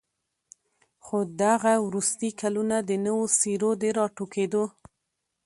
خو دغه وروستي كلونه د نوو څېرو د راټوكېدو